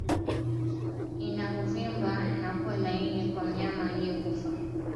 Ini huvimba na kuwa laini kwa mnyama aliyekufa